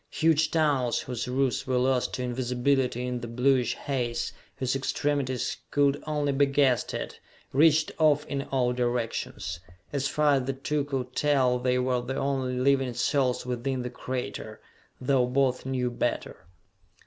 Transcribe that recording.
Huge tunnels, whose roofs were lost to invisibility in the bluish haze, whose extremities could only be guessed at, reached off in all directions. As far as the two could tell they were the only living souls within the crater, though both knew better.